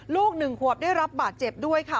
ลูกหนึ่งควบได้รับบาดเจ็บด้วยค่ะ